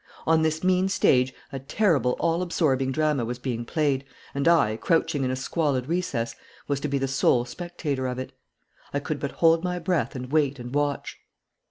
On this mean stage a terrible all absorbing drama was being played, and I, crouching in a squalid recess, was to be the sole spectator of it. I could but hold my breath and wait and watch.